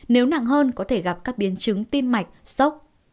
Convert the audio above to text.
nếu nặng hơn có thể gặp các biến chứng tim mạch sốc